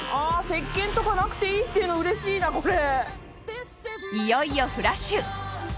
石鹸とかなくていいっていうのうれしいなこれ。